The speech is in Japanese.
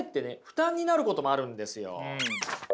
負担になることもあるんですよ。